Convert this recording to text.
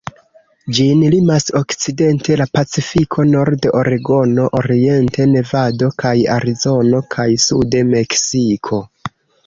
Ĝin limas okcidente la Pacifiko, norde Oregono, oriente Nevado kaj Arizono, kaj sude Meksiko.